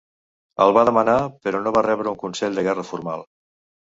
El va demanar, però no va rebre un consell de guerra formal.